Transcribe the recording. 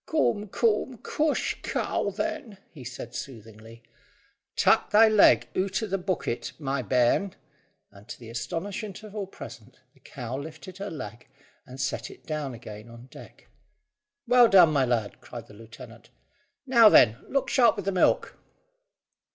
"Coom, coom! Coosh, cow, then," he said soothingly. "Tak' thy leg oot o' the boocket, my bairn;" and to the astonishment of all present the cow lifted her leg and set it down again on deck. "Well done, my lad," cried the lieutenant. "Now, then, look sharp with the milk."